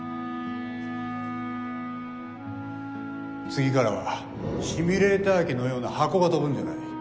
次からはシミュレーター機のような箱が飛ぶんじゃない。